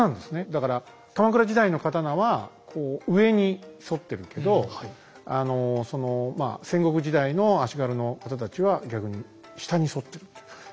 だから鎌倉時代の刀はこう上に反ってるけどまあ戦国時代の足軽の方たちは逆に下に反ってるという。